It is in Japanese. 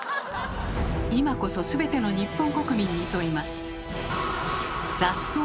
今こそすべての日本国民に問います。